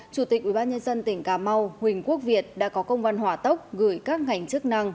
chủ tịch ubnd tỉnh cà mau huỳnh quốc việt đã có công văn hỏa tốc gửi các ngành chức năng